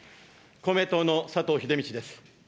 公明党の佐藤英道です。